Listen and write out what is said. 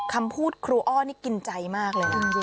คำพูดครูอ้อนี่กินใจมากเลย